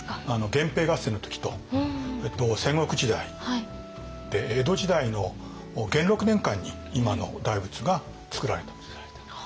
源平合戦の時と戦国時代で江戸時代の元禄年間に今の大仏がつくられた。